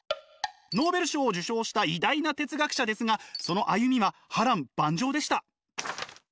ノーベル賞を受賞した偉大な哲学者ですがその歩みは波乱万丈でした。